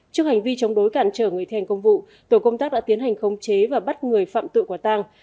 trước hành vi chống đối cản trở người thi hành công vụ tổ công tác đã tiến hành khống chế và bắt người phạm tự quả tàng